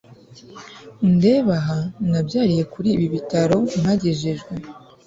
undeba aha nabyariye kuribi bitaro mpagejejwe